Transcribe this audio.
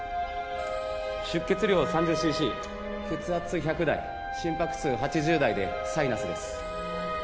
出血量３０シーシー血圧１００台心拍数８０台でサイナスです。